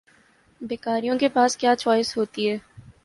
بھکاریوں کے پاس کیا چوائس ہوتی ہے؟